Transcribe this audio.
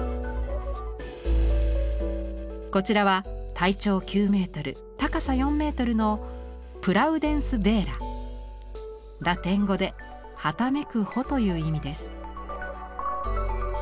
こちらは体長９ｍ高さ４ｍのラテン語で「はためく帆」という意味です。